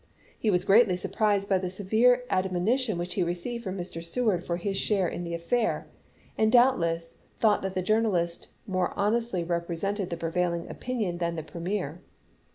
^ He was greatly surprised by the severe admonition which he received from Mr. Seward for his share in the affair, and doubtless thought that the journalist more honestly repre . sented the prevailing opinion than the premier.